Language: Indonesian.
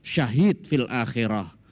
syahid fil akhirah